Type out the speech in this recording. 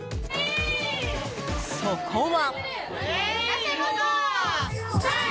そこは。